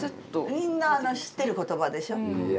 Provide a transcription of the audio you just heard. みんな知ってる言葉でしょ？